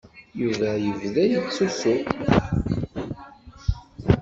Yuba yebda yettusu.